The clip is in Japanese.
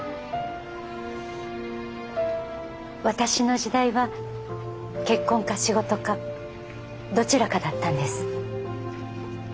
私の時代は結婚か仕事かどちらかだったんです。